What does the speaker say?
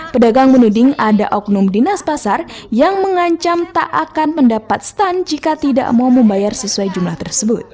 pedagang menuding ada oknum dinas pasar yang mengancam tak akan mendapat stand jika tidak mau membayar sesuai jumlah tersebut